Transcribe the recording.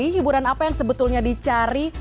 hiburan apa yang sebetulnya dicari